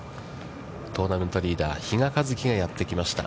トーナメントリーダー、比嘉一貴がやってきました。